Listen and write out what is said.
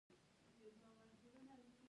د میرمنو کار او تعلیم مهم دی ځکه چې سوله ساتي.